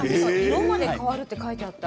色まで変わるって書いてあった。